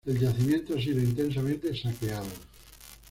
El yacimiento ha sido intensamente saqueado.